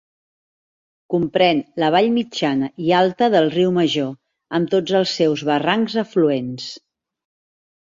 Comprèn la vall mitjana i altra del Riu Major, amb tots els seus barrancs afluents.